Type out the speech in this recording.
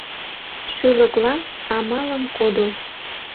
Шӱлыклан амалым кодо.